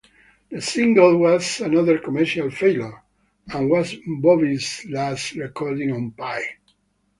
The single was another commercial failure, and was Bowie's last recording on Pye.